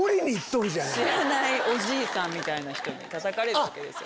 知らないおじいさんみたいな人に叩かれるわけですよ。